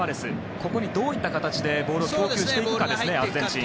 ここにどういった形でボールを供給していくかですアルゼンチン。